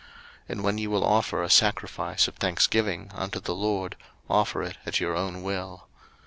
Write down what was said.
03:022:029 And when ye will offer a sacrifice of thanksgiving unto the LORD, offer it at your own will.